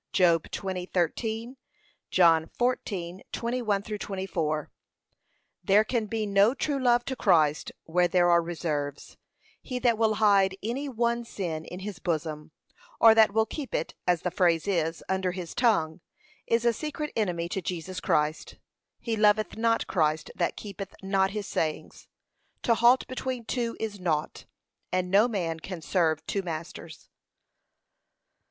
(Job 20:13; John 14:21 24) There can be no true love to Christ where there are reserves; he that will hide any one sin in his bosom, or that will keep it, as the phrase is, under his tongue, is a secret enemy to Jesus Christ. He loveth not Christ that keepeth not his sayings. To halt between two is nought, and no man can serve two masters.